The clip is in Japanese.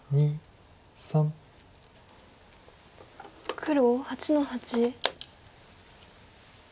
黒８の八。